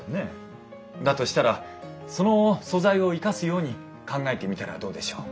だとしたらその素材を生かすように考えてみたらどうでしょう？